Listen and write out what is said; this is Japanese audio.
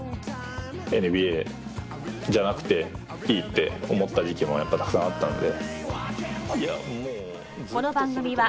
ＮＢＡじゃなくていいって思った時期もやっぱりたくさんあったんで。